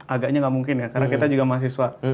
agaknya nggak mungkin ya karena kita juga mahasiswa